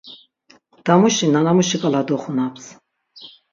Damuşi nanamuşi ǩala doxunaps.